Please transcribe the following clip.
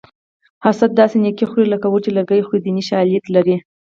حسد داسې نیکي خوري لکه اور چې لرګي خوري دیني شالید لري